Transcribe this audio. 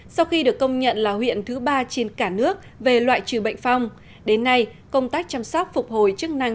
sau khi được công nhận là huyện thứ ba trên cả nước về loại trừ bệnh phong đến nay công tác chăm sóc phục hồi chức năng